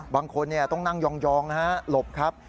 บางคนต้องนั่งยองนะฮะหลบครับ